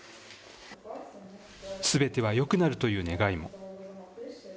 すべてはよくなるという願いも。